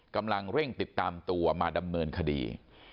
กำลังเร่งติดตามตัวมาดำเนินคดี